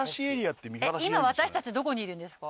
今私たちどこにいるんですか？